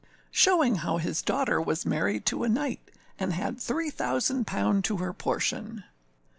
SHOWING HOW HIS DAUGHTER WAS MARRIED TO A KNIGHT, AND HAD THREE THOUSAND POUND TO HER PORTION.